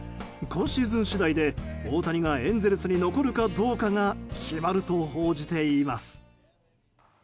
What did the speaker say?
今シーズン次第で大谷がエンゼルスに残るかどうかが決まると報じています。